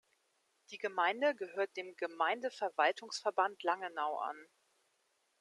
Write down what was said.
Die Gemeinde gehört dem "Gemeindeverwaltungsverband Langenau" an.